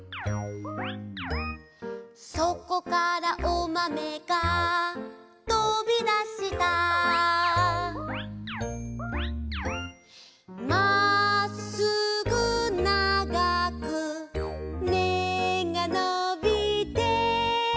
「そこからおまめが飛びだした」「まっすぐ長く芽がのびて」